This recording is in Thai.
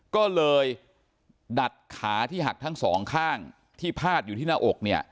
ก็เลยดัดขาที่หักทั้งสองข้างที่พาดอยู่ที่หน้าอกเนี่ย